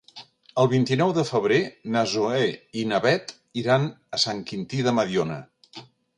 El vint-i-nou de febrer na Zoè i na Bet iran a Sant Quintí de Mediona.